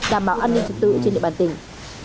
đảm bảo an ninh trật tự trên địa bàn tỉnh